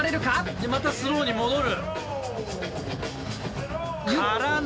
でまたスローに戻る。からの。